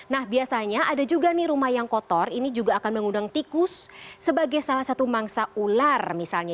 nah biasanya ada juga nih rumah yang kotor ini juga akan mengundang tikus sebagai salah satu mangsa ular misalnya